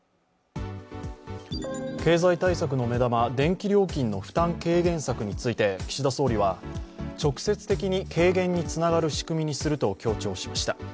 経済対策の目玉電気料金の負担軽減策について、岸田総理は、直接的に軽減につながる仕組みにすると強調しました。